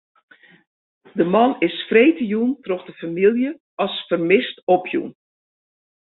De man is freedtejûn troch de famylje as fermist opjûn.